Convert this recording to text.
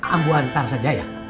aku hantar saja ya